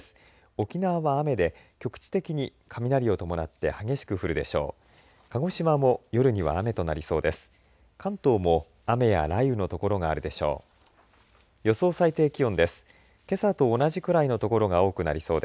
沖縄は雨で局地的に雷を伴って激しく降るでしょう。